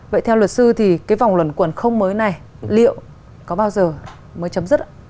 vậy theo luật sư thì cái vòng luận quẩn không mới này liệu có bao giờ mới chấm dứt ạ